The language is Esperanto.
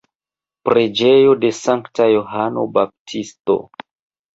Preĝejo de Sankta Johano Baptisto.